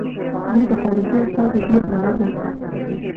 موږ د خارجي اسعارو زیرمې نه لرو.